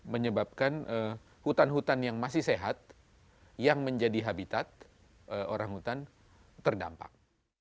menyebabkan hutan hutan yang masih sehat yang menjadi habitat orang hutan terdampak